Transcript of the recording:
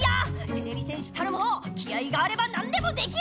てれび戦士たるもの気合いがあればなんでもできるメラ！